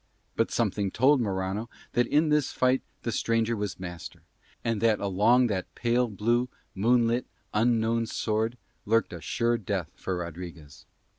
But something told Morano that in this fight the stranger was master and that along that pale blue, moonlit, unknown sword lurked a sure death for Rodriguez.